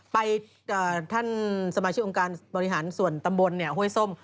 ไปท่านสมาชิกองค์การบริหารส่วนตำบลเนี่ยโฮยส้ม